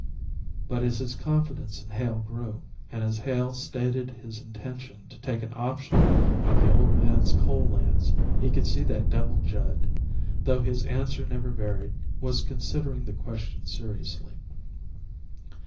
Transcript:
But as his confidence in Hale grew and as Hale stated his intention to take an option on the old man's coal lands, he could see that Devil Judd, though his answer never varied, was considering the question seriously.